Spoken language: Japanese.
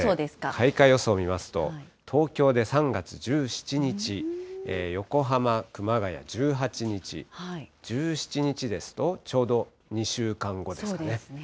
開花予想見ますと、東京で３月１７日、横浜、熊谷１８日、１７日ですと、ちょうど２週間後ですかね。